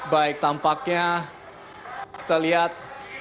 baik tampaknya kita lihat